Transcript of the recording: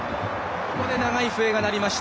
ここで長い笛が鳴りました！